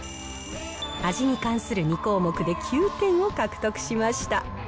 味に関する２項目で９点を獲得しました。